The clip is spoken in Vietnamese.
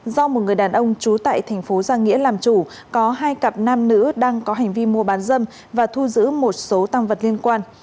do một người đàn ông trú tại thành phố giang nghĩa làm chủ có hai cặp nam nữ đang có hành vi mua bán dâm và thu giữ một số tăng vật liên quan